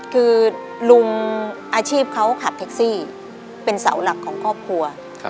คือลุงอาชีพเขาขับแท็กซี่เป็นเสาหลักของครอบครัว